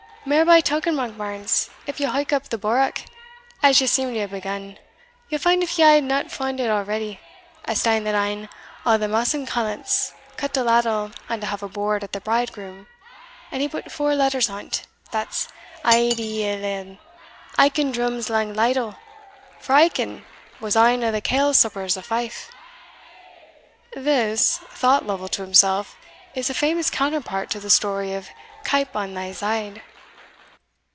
Mair by token, Monkbarns, if ye howk up the bourock, as ye seem to have began, yell find, if ye hae not fund it already, a stane that ane o' the mason callants cut a ladle on to have a bourd at the bridegroom, and he put four letters on't, that's A. D. L. L. Aiken Drum's Lang Ladle for Aiken was ane o' the kale suppers o' Fife." "This," thought Lovel to himself, "is a famous counterpart to the story of Keip on this syde."